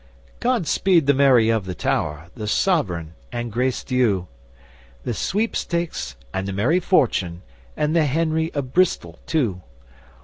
God speed the 'Mary of the Tower,' the 'Sovereign' and 'Grace Dieu,' The 'Sweepstakes' and the 'Mary Fortune,' and the 'Henry of Bristol' too!